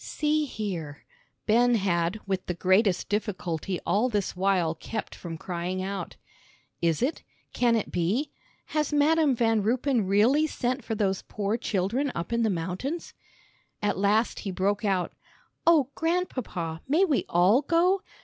"See here," Ben had with the greatest difficulty all this while kept from crying out. "Is it? Can it be? Has Madam Van Ruypen really sent for those poor children up in the mountains?" At last he broke out, "Oh, Grandpapa, may we all go?